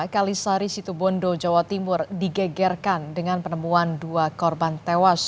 kalisari situbondo jawa timur digegerkan dengan penemuan dua korban tewas